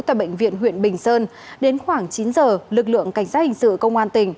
tại bệnh viện huyện bình sơn đến khoảng chín giờ lực lượng cảnh sát hình sự công an tỉnh